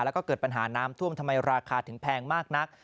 แล้วก็เกิดปัญหาน้ำท่วมทำไมราคาถึงแพงมากนัก